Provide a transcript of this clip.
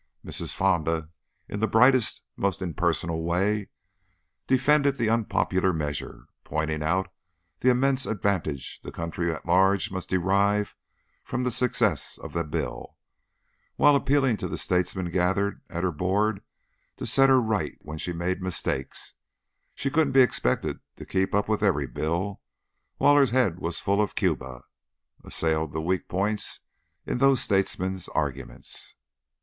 Mrs. Fonda, in the brightest, most impersonal way, defended the unpopular measure, pointing out the immense advantage the country at large must derive from the success of the bill, and, while appealing to the statesmen gathered at her board to set her right when she made mistakes, she couldn't be expected to keep up with every bill while her head was full of Cuba, assailed the weak points in those statesmen's arguments.